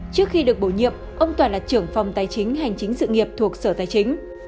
trước khi được bổ nhiệm ông toàn là trưởng phòng tài chính hành chính sự nghiệp thuộc sở tài chính